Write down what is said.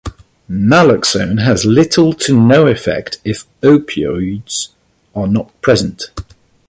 Naloxone has little to no effect if opioids are not present.